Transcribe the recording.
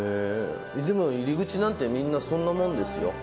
でも入り口なんてみんなそんなものですよ。